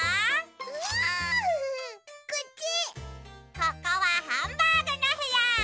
ここはハンバーグのへや！